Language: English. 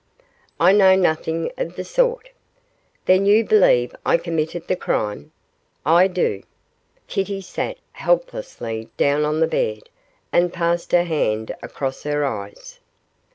'I know nothing of the sort.' Then you believe I committed the crime?' 'I do.' Kitty sat helplessly down on the bed, and passed her hand across her eyes.